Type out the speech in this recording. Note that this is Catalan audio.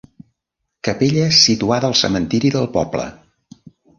Capella situada al cementiri del poble.